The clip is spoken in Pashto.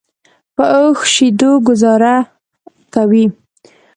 په اوښ شیدو ګوزاره کوي.